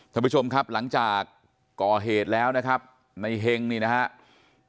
ท่านผู้ชมครับหลังจากก่อเหตุแล้วนะครับในเฮงนี่นะครับ